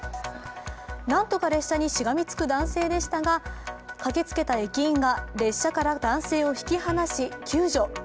なんとか列車にしがみつく男性でしたが駆けつけた駅員が列車から男性を引き離し救助。